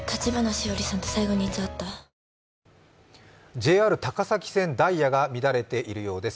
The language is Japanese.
ＪＲ高崎線、ダイヤが乱れているようです。